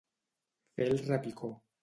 Fer el repicó.